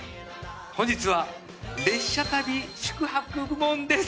本日は列車旅宿泊部門です！